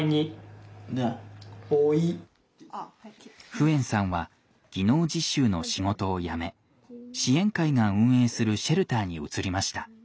フエンさんは技能実習の仕事を辞め支援会が運営するシェルターに移りました。